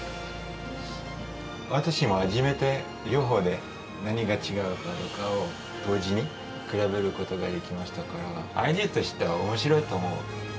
私も初めて、両方で何が違うかどうかを同時に比べることができましたから、アイデアとしてはおもしろいと思う。